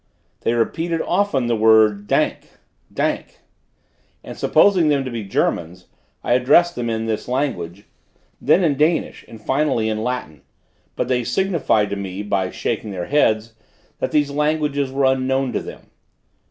They repeated often the word Dank, Dank, and supposing them to be Germans, I addressed them in this language, then in Danish, and finally in Latin; but they signified to me, by shaking their heads, that these languages were unknown to them.